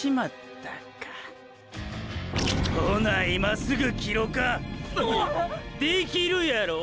ほな今すぐ切ろか⁉できるやろ？